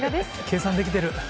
計算できてる。